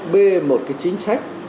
bê một cái chính sách